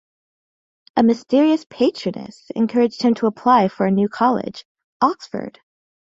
A mysterious patroness encouraged him to apply for New College, Oxford.